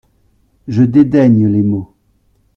Je dédaigne les mots.